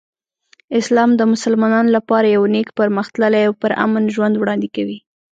اسلام د مسلمانانو لپاره یو نیک، پرمختللی او پرامن ژوند وړاندې کوي.